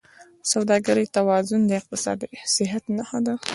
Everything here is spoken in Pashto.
د سوداګرۍ توازن د اقتصاد د صحت نښه ده.